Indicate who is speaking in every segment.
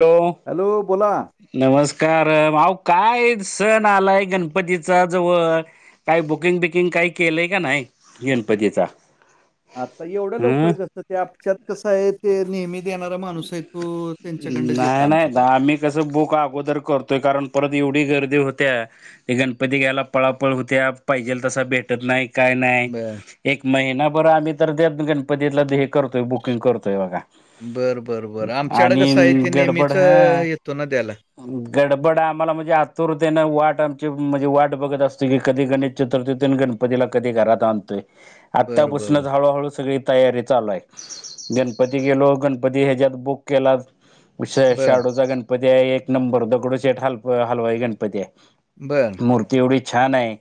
Speaker 1: केव्हा?
Speaker 2: हॅलो बोला.
Speaker 1: नमस्कार. भाऊ काय? सण आलाय गणपतीचा जवळ. काही बुकिंग बिकिंग काही केलंय का नाही? गणपतीचा
Speaker 2: आता एवढं
Speaker 1: हं
Speaker 2: लवकर कसं? ते आमच्यात कसं आहे ते नियमीत देणारा माणूस आहे तो त्यांच्याकडंच येतं आमच्याकडे.
Speaker 1: तसं बुक अगोदर करतोय, कारण परत एवढी गर्दी होते. ते गणपती घ्यायला पळापळ होत्या पाहिजेल तसा भेटत नाही काय नाही.
Speaker 2: बर
Speaker 1: एक महिनाभर आम्ही तर त्या गणपतीतलं ते हे करतोय बुकिंग करतोय बघा.
Speaker 2: बरं बरं बरं आमच्याकडे
Speaker 1: आणि
Speaker 2: कसं आहे ते
Speaker 1: गडबड
Speaker 2: नेहमीच
Speaker 1: हा
Speaker 2: येतो ना द्याला.
Speaker 1: गडबड आम्हाला म्हणजे आतुरतेनं वाट आमची म्हणजे वाट बघत असतोय की कधी गणेश चतुर्थी यतोय अन गणपतीला कधी घरात आणतोय.
Speaker 2: बर बर
Speaker 1: आत्तापासूनच हळूहळू सगळी तयारी चालू आहे गणपती गेलो गण गणपती हेच्यात बुक केलात उशिर
Speaker 2: बर
Speaker 1: शाडूचा गणपती. गणपती आहे एक नंबर दगडो शेठ हल हलवाई गणपती हाय.
Speaker 2: बर.
Speaker 1: मूर्ती एवढी छान आहे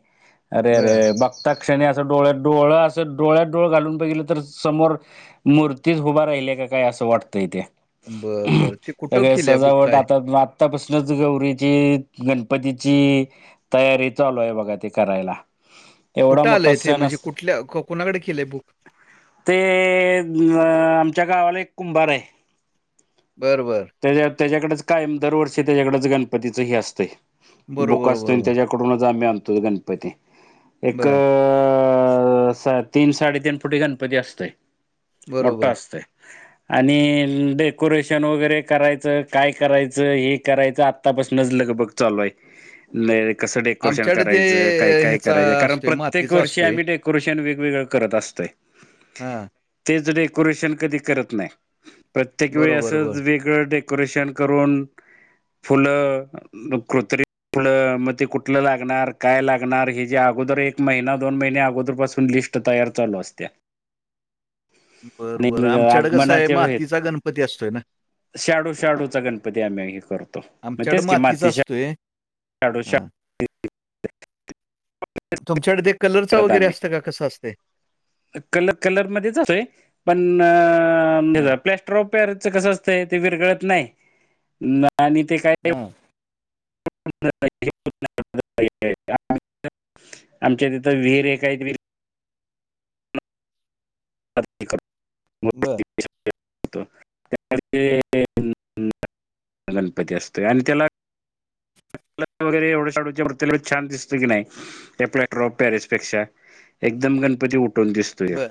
Speaker 1: अरे
Speaker 2: बर
Speaker 1: अरे बघ घता क्षणी असं डोळ्यात डोळं असं डोळ्यात डोळं घालून बघितलं तर समोर मूर्तीच उभा राहिलिया का काय असं वाटतंय ते.
Speaker 2: बर बर ते कुठं
Speaker 1: सगळे
Speaker 2: केलंय बुक
Speaker 1: सजावट
Speaker 2: काय
Speaker 1: आता आता आत्तापासनच गौरीची गणपतीची तयारी चालू आहे बघा ते करायला. एवढा
Speaker 2: कुठं आलं
Speaker 1: मोठा
Speaker 2: इथे
Speaker 1: सण
Speaker 2: म्हणजे
Speaker 1: असतो
Speaker 2: कुठल्या कुणाकडे केलंय बुक?
Speaker 1: ते अ आमच्या गावाला एक कुंभार आहे.
Speaker 2: बरं बरं.
Speaker 1: त्याच्या त्याच्याकडच कायम दरवर्षी त्याच्याकडच गणपतीच हे असतं बुक
Speaker 2: बरोबर
Speaker 1: असतं आणि
Speaker 2: बरोबर
Speaker 1: त्याच्याक कडूनच आम्ही आणतो गणपती एक
Speaker 2: बर
Speaker 1: तीन साडेतीन फुटी गणपती असतोय मोठा
Speaker 2: बरोबर
Speaker 1: असतोय. आणि डेकोरेशन वगैरे करायचं काय करायचं हे करायचं आत्तापासूनच लग बग चालूय. लय कसं डेकोरेशन
Speaker 2: आमच्याकडे ते
Speaker 1: करायचं काय
Speaker 2: अ,
Speaker 1: काय
Speaker 2: ह्याचा
Speaker 1: करायचं कारण
Speaker 2: असतोय
Speaker 1: प्रत्येक
Speaker 2: मातीचा
Speaker 1: वर्षी
Speaker 2: असतोय
Speaker 1: आम्ही डेकोरेशन वेगवेगळं करत अस तोय.
Speaker 2: हा.
Speaker 1: तेच डेकोरेशन कधी करत नाही प्रत्येक वेळी
Speaker 2: बरोबर
Speaker 1: असच
Speaker 2: बर
Speaker 1: वेग वेगळ डेकोरेशन करून फुलं कृत्रिम फुल मग ते कुठलं लागणार काय लागणार हेच अगोदर एक महिना दोन महिने अगोदर पासून लिस्ट तयार चालू असत्या.
Speaker 2: बरं बरं
Speaker 1: आणि
Speaker 2: आमच्याकडं कसं आहे
Speaker 1: आगमनाच्या
Speaker 2: मातीचा गणपती असतोय ना.
Speaker 1: शाडू शाडूचा गणपती आम्ही हे करतो मग
Speaker 2: आमच्याकडे
Speaker 1: तेच की
Speaker 2: मातीचा
Speaker 1: माती शाडू
Speaker 2: असतोय.
Speaker 1: शां
Speaker 2: हां.
Speaker 1: [unintelligible]
Speaker 2: तुमच्याकडे ते कलरच
Speaker 1: करत
Speaker 2: वगैरे
Speaker 1: आम्ही
Speaker 2: असतं का कसं असतय?
Speaker 1: कलर कलर मध्येच असतोय पण
Speaker 2: हां,
Speaker 1: प्लस्ट प्लँस्टर ऑफ पॅरिस च कसं असतं ते विरघळत नाही आणि ते काय.
Speaker 2: हम्म.
Speaker 1: [unintelligible] आमच्या तिथं विहीर एक आहे विहीर.
Speaker 2: बर.
Speaker 1: [unintelligible] गणपती असतोय आणि त्याला. कलर वगैरे एवढ् त्या शाडूच्या मूर्तीला छान दिसत की नाही आपल्या त्या प्लास्टर ऑफ पॅरिस पेक्षा. एकदम गणपती उठून दिसतोय ह्यो
Speaker 2: बरं.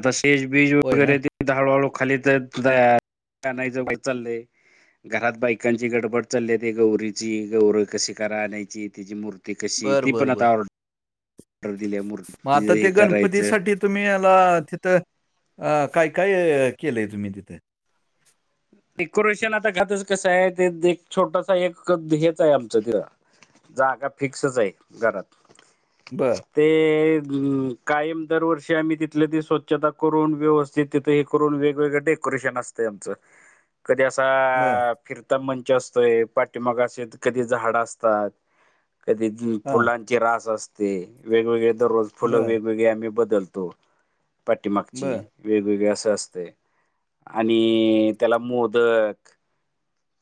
Speaker 1: आता स्टेजबीज
Speaker 2: होय ना?
Speaker 1: वगैरेते हळू हळू खाली तया तयार करायचा चाललंय. घरात बायकांची गडबड चाललीय ते गौरीची गौर कशी करा आनायची तिची मूर्ती कशी
Speaker 2: बरं,
Speaker 1: ती पण
Speaker 2: बरं, बरं.
Speaker 1: आता ऑर्ड ऑर्डर दिल्याय मूर्ती.
Speaker 2: मग आता
Speaker 1: हे
Speaker 2: ते
Speaker 1: करायचं.
Speaker 2: गणपतीसाठी तुम्ही याला तिथं अ काय काय केलंय तुम्ही तिथे?
Speaker 1: डेकोरेशन आता घातच कसं आहे ते त एक छोटसा एक हेच आहे आमचं तिथं. जागा फिक्सच आहे घरात.
Speaker 2: बरं.
Speaker 1: ते कायम दरवर्षी आम्ही तिथले त स्वच्छता करून व्यवस्थि तिथे हे करून वेगवेगळं डेकोरेशन असते आमचं कधी असा
Speaker 2: बरं.
Speaker 1: फिरता मंच असतोय, पाठीमाग असे कधी झाड असतात, कधी
Speaker 2: हां.
Speaker 1: फुलांची रास असते, वेगवेगळे दररोज फुलं
Speaker 2: बरं,
Speaker 1: वेगवेगळे आम्ही बदलतो. पाठीमागची,
Speaker 2: बरं.
Speaker 1: वेगवेगळी असं असतय आणि त्याला मोदक,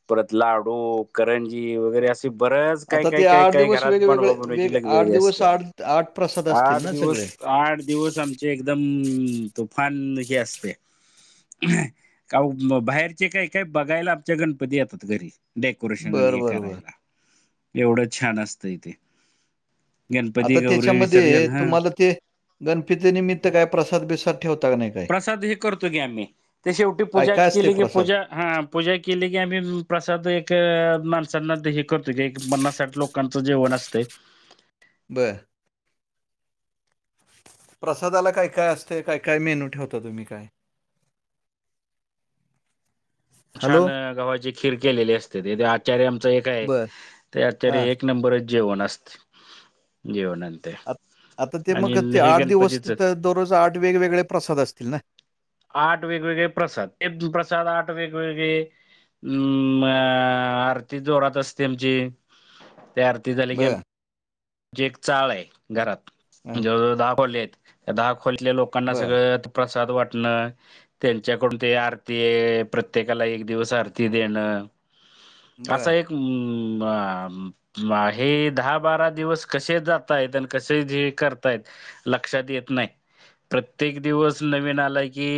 Speaker 1: परत लाडू, करंजी वगैरे अस बरच काय
Speaker 2: आता
Speaker 1: काय
Speaker 2: ते
Speaker 1: काय काय
Speaker 2: दिवस
Speaker 1: घरात बनवा
Speaker 2: वेगवेगळे
Speaker 1: बनवायची
Speaker 2: वेग
Speaker 1: लगवेगळी
Speaker 2: दिवस
Speaker 1: असते,
Speaker 2: प्रसाद असतील
Speaker 1: आठ
Speaker 2: ना सगळे?
Speaker 1: दिवस आठ दिवस आम एकदम तूफान हे असते का म बाहेरचे काही काय बघायला आमच्या गणपती येतात घरी, डेकोरेशन आणि
Speaker 2: बरं,
Speaker 1: हे
Speaker 2: बरं, बरं.
Speaker 1: करायला. एवढं छान असतंय तेे.
Speaker 2: आता त्याच्यामध्ये
Speaker 1: विसर्जन हा
Speaker 2: तुम्हाला ते गणपतीनिमित्त काय प्रसाद बिसाद ठेवता का नाही? काय?
Speaker 1: प्रसाद हे करतो की आम्ही ते शेवटी पूजा
Speaker 2: काय-काय असते
Speaker 1: केली की
Speaker 2: प्रसाद?
Speaker 1: पूजा हा पूजा केली की आम्ही प्रसाद एक माणसांना हे करतो की एक पन्नास साठ लोक लोकांच जेवण असतय.
Speaker 2: बर. प्रसादाला काय काय असतय? काय काय मेनू ठेवता तुम्ही काय? हॅलो
Speaker 1: छान गव्हाची खीर केलेली असते ते आचारी आमच एक आहे
Speaker 2: बर
Speaker 1: ते
Speaker 2: हा
Speaker 1: आचार्य एक नंबर जेवण असत.., जेवण आणि
Speaker 2: आ आता ते मग ते
Speaker 1: हे
Speaker 2: आठ दिवस
Speaker 1: गणपतीच
Speaker 2: तिथं दररोज आठ वेगवेगळे प्रसाद असतील ना?
Speaker 1: आठ वेगवेगळे प्रसाद, प्रसाद आठ वेगवेगळे अम्म अ आरती जोरात असते आमची ते आरती झाली की आ
Speaker 2: बर
Speaker 1: ची एक चाळ आहे घरात, जवळ
Speaker 2: हं,
Speaker 1: जवळ दहा खोल्या आहेत, त्या दहा खोलीतल्या लोकांना
Speaker 2: बर
Speaker 1: सगळं प्रसाद वाटणं त्यांच्याकडून ते आरती प्रत्येकाला एक दिवस आरती देणं
Speaker 2: बर
Speaker 1: असा एक म हे दहा बारा दिवस कसे जातायत आणि कसे जे करतायत लक्षात येत नाही. प्रत्येक दिवस नवीन आला की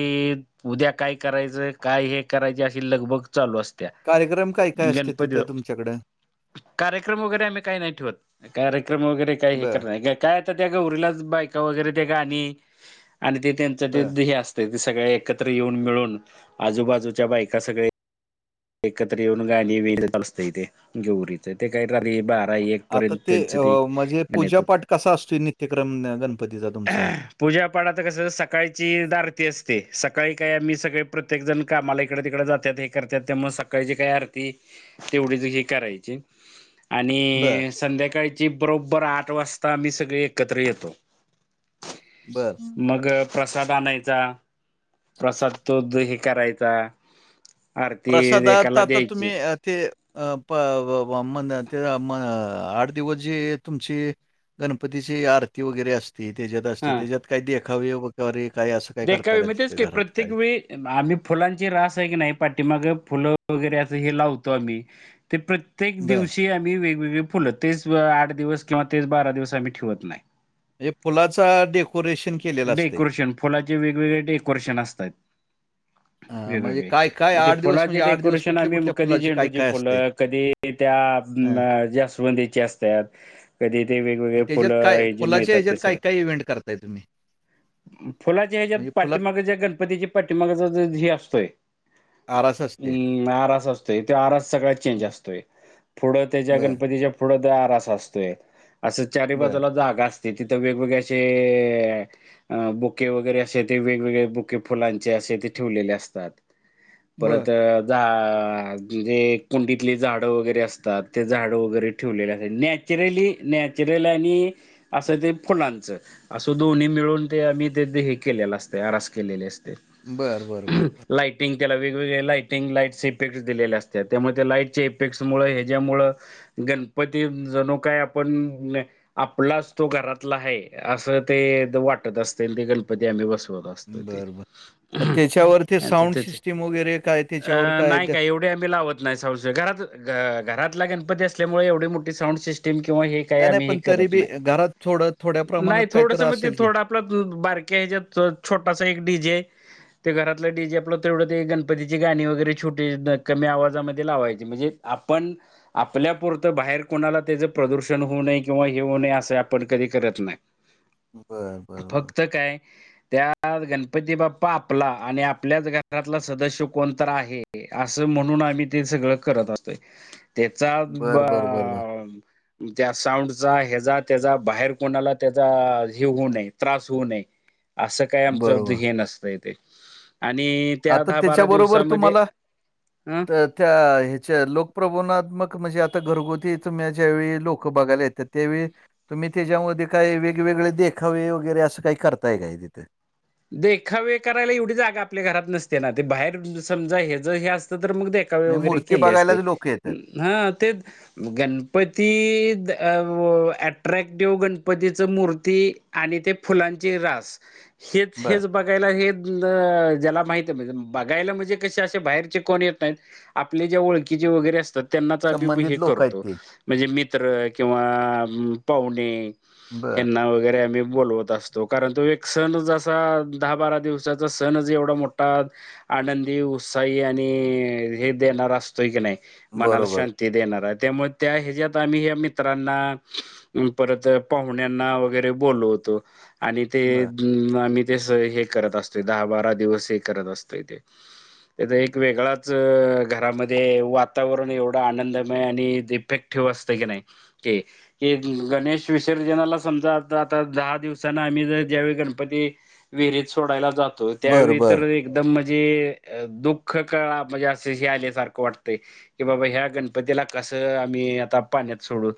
Speaker 1: उद्या काय करायचं काय हे करायच अशी लगबग चालू असते
Speaker 2: कार्यक्रम काय
Speaker 1: त्या
Speaker 2: काय असते
Speaker 1: गणपती
Speaker 2: तिथं तुमच्याकडे
Speaker 1: कार्यक्रम वगैरे आम्ही काही नाही ठेवत. कार्यक्रम वगैरे काय हे
Speaker 2: बर
Speaker 1: करणार का काय आता त्या गौरीलाच बायका वगैरे ते गाणी आणि ते त्यांचं
Speaker 2: बर
Speaker 1: ते हे असत त सगळे एकत्र येऊन मिळून आजूबाजूच्या बायका सगळे एकत्र येऊन गाणी बिनी असत इथे गौरीच ते काही रात्री बारा एक
Speaker 2: आता
Speaker 1: पर्यंत
Speaker 2: ते
Speaker 1: त्यांचं ती
Speaker 2: म्हणजे
Speaker 1: गाण्याचं
Speaker 2: पूजापाठ कसा असतोय नित्यक्रम गणपतीचा तुमचा?
Speaker 1: पूजापाठ आता कसं सकाळची एकदा आरती असते सकाळी काय आम्ही सगळे प्रत्येक जण कामाला इकडे तिकडे जातो. ते हे करत्यात त्यामुळ सकाळची काही आरती तेवढीच ही करायची.
Speaker 2: बर
Speaker 1: आणि संध्याकाळी ती बरोबर आठ वाजता आम्ही सगळे एकत्र येतो.
Speaker 2: बरं.
Speaker 1: मग प्रसाद आणायचा प्रसाद तो द हे करायचा. अर
Speaker 2: प्रसादात आता तुम्ही ते अ म ते आठ दिवस जे तुमची गणपतीची आरती वगैरे असते त्याच्यात असते
Speaker 1: हा
Speaker 2: त्याच्यात काही देखावे री काही असं काही करता
Speaker 1: देखावे
Speaker 2: का
Speaker 1: मग तेच
Speaker 2: तिथे
Speaker 1: की
Speaker 2: घरात
Speaker 1: प्रत्येक
Speaker 2: काही
Speaker 1: वेळी आम्ही फुलांची रास आहे की नाही पाठीमाग फुलं वगैरे असं हे लावतो आम्ही. ते प्रत प्रत्येक
Speaker 2: बरं.
Speaker 1: दिवशी आम्ही वेगवेगळी फुलं तेच आठ दिवस किंवा तेच बारा दिवस आम्ही ठेवत नाही.
Speaker 2: म्ह फुलाचा डेकोरेशन केलेलं असतंय.
Speaker 1: डेकोरेशन फुलाचे वेगवेगळे डेकोरेशन असतात.
Speaker 2: अ, म्हणजे
Speaker 1: वेगवेगळे
Speaker 2: काय, काय
Speaker 1: मग ते
Speaker 2: दिवस
Speaker 1: फुलाचे
Speaker 2: म्हणजे दिवस
Speaker 1: डेकोरेशन आम्ही
Speaker 2: कुठल्या-कुठल्या
Speaker 1: कधी
Speaker 2: फुलाचे
Speaker 1: झेंडूचे
Speaker 2: काय-काय असते?
Speaker 1: फुलं कधी त्या
Speaker 2: हं.
Speaker 1: ज्या जास्वंदीचे असतात कधी ते वेगवेगळे फुलं हे जे मिळतात ते सग
Speaker 2: काही इव्हेंट करताय तुम्ही?
Speaker 1: फुलाच्या ह्याच्या
Speaker 2: म्हणजे फुलात
Speaker 1: पाठीमागा ज गणपतीचे पाठीमागाचा ह हे असतोय.
Speaker 2: आरास असते.
Speaker 1: हम्म आरस असतोय त आरस सगळ्यात चेंज
Speaker 2: हं.
Speaker 1: असतोय. पुढं त्याच्या
Speaker 2: बरं.
Speaker 1: गणपतीच्या पुढं द आरास असतोय असं चारी
Speaker 2: बरं.
Speaker 1: बाजूला जागा असत. तेथिथ तर वेगवेगळ्या अस बुके वगैरे असे ते वेगवेगळे बुके फुलांचे असे ते ठेवलेले असतात.
Speaker 2: बरं.
Speaker 1: परत म्हणजे कुंडीतले झाडं वगैरे असतात ते झाडं वगैरे ठेवलेले अस नॅ चिरली न नॅचरल आणि असं ते फुलांचं असं दोन्ही मिळून ते आम्ही ते हे केलेलं असते आरास केलेली असते.
Speaker 2: बरं, बरं, बरं.
Speaker 1: लाईट लाइटिंग वेगवेगळे लाइटिंग लाईटसचे इफेक्ट दिलेल्या असतात त्यामुळे त्या लाईटच्या इफेक्ट मुळे याच्यामुळे गणपती जणो काय आपण आपलाच तो घरातला आहे असं. ते वाटत असतील ते गणपती आम्ही बसवत.
Speaker 2: बरं,
Speaker 1: ते
Speaker 2: बरं. मग त्याच्यावर ते साउंड सिस्टम वगैरे काय त्याच्यावर
Speaker 1: अ नाही
Speaker 2: ते
Speaker 1: काय एवढ आम्ही लावत नाही घरातच गणपती असल्यामुळे एवढी मोठी साऊंड सिस्टिम ते किंवा एकही
Speaker 2: नाही, नाही
Speaker 1: आम्ही
Speaker 2: पण तरी
Speaker 1: करत
Speaker 2: बी घरात थोडं थोड्या
Speaker 1: नाही
Speaker 2: प्रमाणात
Speaker 1: नाही
Speaker 2: काहीतरी
Speaker 1: थोडसं म्हणजे
Speaker 2: असेल की?
Speaker 1: थोडा आप बारक्या ह्याच्या छोटासा एक डीजे ते घरातलं डीजे आपलं तेवढं ते गणपतीची गाणी वगैरे छोटे कमी आवाजामध्ये लावायचे म्हणजे आपण आपल्यापुरतं बाहेर कोणाला त्याचं प्रदूषण होऊ नये किंवा हे होऊ नये असं आपण कधी करत नाही.
Speaker 2: बरं बरं बरं.
Speaker 1: फक्त काय त्यात गणपती बाप्पा आपला आणि आपल्याच घरातला सदस्य कोणत आहे. असं म्हणून आम्ही ते सगळं करत असतोय. त्याचा
Speaker 2: बरं, बरं, बरं, बरं.
Speaker 1: त्या साऊंडचा हचा त्याचा बाहेर कोणाला त्याचा हे होऊ नये त्रास होऊ नये असं काही आमच
Speaker 2: बरोबर.
Speaker 1: हे नसतं इ ते आणि त्या
Speaker 2: आता
Speaker 1: दहा बारा
Speaker 2: त्याच्याबरोबर
Speaker 1: दिवसामध्ये
Speaker 2: तुम्हाला
Speaker 1: अ
Speaker 2: त्या ह्याच्या लोकप्रबोणात्मक म्हणजे आता घरगुतीम ज्यावेळी लोक बघायला येतात त्यावेळी तुम्ही त्याच्यामध्ये काही वेगवेगळे देखावे वगैरे असं काही करताय काय? तिथे.
Speaker 1: देखावे करायला एवढी जागा आपल्या घरात नसते ना ते बाहेर समजा हे जर हे असतं तर मग वे
Speaker 2: म्हणजे
Speaker 1: वगैरे
Speaker 2: मूर्ती
Speaker 1: केले असते
Speaker 2: बघायलाच लोकं येतात.
Speaker 1: ह ते. गणपती अट्रॅक्टिव्ह गणपतीच मूर्ती आणि ते फुलांचे रास हेच
Speaker 2: बरं.
Speaker 1: हेच बघायला हे ज्याला माहीत बघायला म्हणजे कसे असे बाहेरचे कोण? येत नाही. आपले ज्या ओळखीचे वगैरे असतात त्यांनाच आम्ही हे
Speaker 2: संबंधित लोकं आहेत
Speaker 1: करतो.
Speaker 2: ते.
Speaker 1: म्हणजे मित्र किंवा पाहुणे
Speaker 2: बरं.
Speaker 1: हयांना वगैरे आम्ही बोलवतो. असतो कारण तो एक सण ज असा दहा बारा दिवसाचा सण ज एवढा मोठा. आनंदी उत्साही आणि हे देणार असतोय की नाही मनाला
Speaker 2: बरोबर.
Speaker 1: शांत ते देणार आहे त्यामुळे त्या ह्याच्यात आम्ही ह मित्रांना. परत पाहुण्यांना वगैरे बोलवतो आणि ते
Speaker 2: बरं.
Speaker 1: हम् आम्ही ते हे करत असतोय दहा बारा दिवस हे करत असतोय ते. थ एक वेगळाच घरामध्ये वातावरण एवढं आनंदमय आणि इफेक्ट ठेव असतय की नाही. ते क गणेश विसर्जनाला समजा आता, आता दहा दिवसान आम्ही जर ज्यावेळी गण गणपती विहरीत सोडायला जातो,
Speaker 2: बरं,
Speaker 1: त्यावेळी
Speaker 2: बरं.
Speaker 1: तर एकदम म्हणजे दुःख कळा म्हणजे असं हे आल्यासारखं वाटतंय. की बाबा ह्या गणपतीला कसं आम्ही आता पाण्यात सोडू,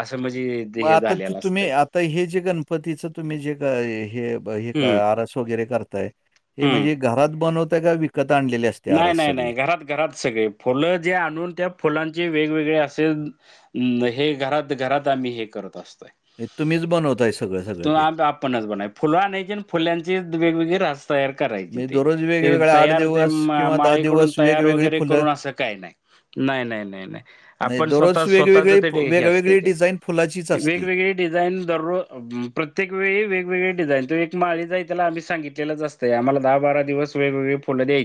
Speaker 1: असं म्हणजे ते
Speaker 2: मग
Speaker 1: हे
Speaker 2: आता ते
Speaker 1: झालेलं
Speaker 2: तुम्ही
Speaker 1: असतंय
Speaker 2: तर हे जे गणपतीचं तुम्ही जे का हे हे
Speaker 1: हम्म
Speaker 2: आरस वगैरे करताय- ते
Speaker 1: हम्म
Speaker 2: म्हणजे घरात बनवताय का? विकत आणले अस-
Speaker 1: नाही नाही नाही घरात घरात सगळे फुलं जे आणून त्या फुलांचे वेगवेगळे असे. ् हे घरात घरात आम्ही हे करत असतोय.
Speaker 2: हे तुम्हीच बनवताय सगळं-सगळं
Speaker 1: तू
Speaker 2: ते?
Speaker 1: आपणच बन फुल आणायची फुल्यांची वेगवेगळे रास- तयार करायची
Speaker 2: म्हणजे दररोज
Speaker 1: ते
Speaker 2: वेगवेगळे
Speaker 1: तयार ते
Speaker 2: दिवस किंवा
Speaker 1: माळीकडून
Speaker 2: दिवस
Speaker 1: तयार
Speaker 2: वेगवेगळी
Speaker 1: वगैरे
Speaker 2: फुलं
Speaker 1: करून असं काही नाही, नाही, नाही, नाही, नाही.
Speaker 2: म्हणजे
Speaker 1: आपण
Speaker 2: दररोज
Speaker 1: स्वतः स्वतःच
Speaker 2: वेगवेगळी फ
Speaker 1: ते [unintelligible] असतय
Speaker 2: वेगवेगळी
Speaker 1: ते,
Speaker 2: डिझाइन फुलाचीच असते?
Speaker 1: वेगवेगळी डिझाईन दररोज- प्रत्येक वेळी वेगवेगळे डिझाईन तो एक माळीच आहे त्याला आम्ही सांगितलेलंच असतंय. आम्हाला दहा बारा दिवस- वेगळेवेगळी फुल द्याय -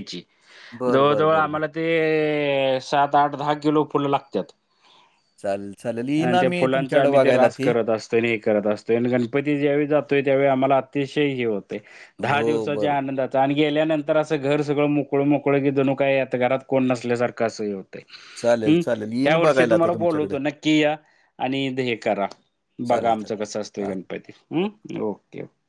Speaker 2: बरं, बरं,
Speaker 1: जवळजवळ
Speaker 2: बरं, बरं.
Speaker 1: आम्हाला ते सात, आठ, दहा किलो फुलं लागत्यात.
Speaker 2: चालेल, चालेल. येईन
Speaker 1: आणि त्या
Speaker 2: आम्ही
Speaker 1: फुलांच
Speaker 2: तुमच्याकडे
Speaker 1: आम्ही ते
Speaker 2: बघायला
Speaker 1: रास करत असतो. हे करत असतोय, आणि गणपती ज्यावेळी जातोय त्यावेळी आम्हाला अतिशय हे होतं- दहा
Speaker 2: हो,
Speaker 1: दिवसाच्या
Speaker 2: बरं.
Speaker 1: आनंदाचा आणि गेल्यानंतर असं घर सगळं मो मोकळ मोकळ की जणू काही आता घरात कोण नसल्यासारख असं हे
Speaker 2: चालेल,
Speaker 1: हम्म
Speaker 2: चालेल.
Speaker 1: ह्या
Speaker 2: येईन
Speaker 1: वर्षी
Speaker 2: बघायला
Speaker 1: तुम्हाला
Speaker 2: आता तुमच्याकडे.
Speaker 1: बोलवतो नक्की या आणि हे करा. बघा
Speaker 2: चालेल,
Speaker 1: आमचं
Speaker 2: चालेल.
Speaker 1: कसं असतय
Speaker 2: हां.
Speaker 1: गणपती. हम ओके ओे-